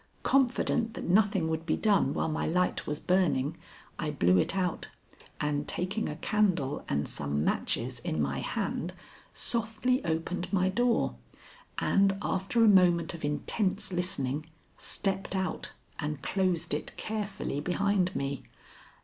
Confident that nothing would be done while my light was burning, I blew it out, and, taking a candle and some matches in my hand, softly opened my door and, after a moment of intense listening, stepped out and closed it carefully behind me.